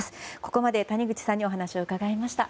ここまで谷口さんにお話を伺いました。